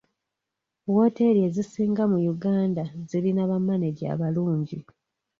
Wooteeri ezisinga mu Uganda zirina bamaneja abalungi